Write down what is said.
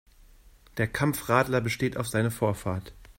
Der Kampfradler besteht auf seine Vorfahrt.